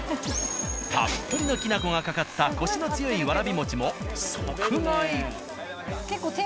たっぷりのきな粉がかかったコシの強いわらび餅も即買い。